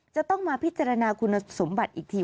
จะต้องมาพิจารณาคุณสมบัติอีกที